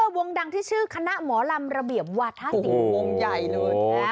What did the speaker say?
วงดังที่ชื่อคณะหมอลำระเบียบวัดห้าสิบวงใหญ่เลยแหละ